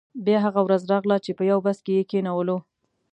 بیا هغه ورځ راغله چې په یو بس کې یې کینولو.